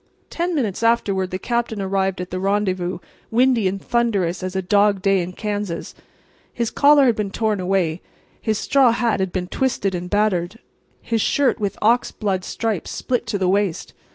Ten minutes afterward the Captain arrived at the rendezvous, windy and thunderous as a dog day in Kansas. His collar had been torn away; his straw hat had been twisted and battered; his shirt with ox blood stripes split to the waist.